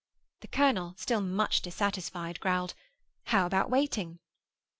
The colonel, still much dissatisfied, growled, 'How about waiting?